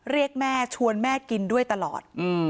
เรียกแม่ชวนแม่กินด้วยตลอด